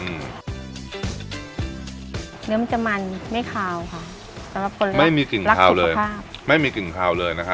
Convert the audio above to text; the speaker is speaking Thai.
เนื้อมันจะมันไม่คาวค่ะสำหรับคนไม่มีกลิ่นคาวเลยค่ะไม่มีกลิ่นคาวเลยนะคะ